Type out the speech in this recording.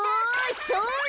それ。